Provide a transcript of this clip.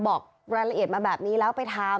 บอกรายละเอียดมาแบบนี้แล้วไปทำ